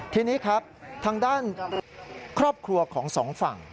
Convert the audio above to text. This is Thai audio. ทีนี้ครับทางด้านครอบครัวของสองฝั่ง